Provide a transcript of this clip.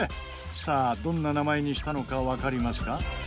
さあどんな名前にしたのかわかりますか？